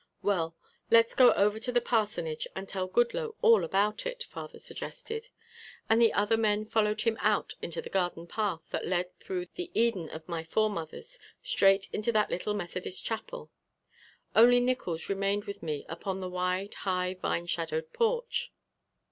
"Well, let's go over to the parsonage and tell Goodloe all about it," father suggested, and the other men followed him out into the garden path that led through the Eden of my foremothers straight into that little Methodist chapel. Only Nickols remained with me upon the wide high vine shadowed porch.